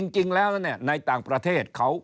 จริงแล้วในต่างประเทศเขา